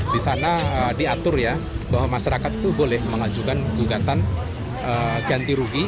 di sana diatur ya bahwa masyarakat itu boleh mengajukan gugatan ganti rugi